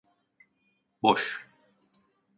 Boş.